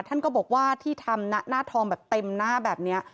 ท่านก็บอกว่าที่ทำหน้าทองแบบเต็มหน้าแบบนี้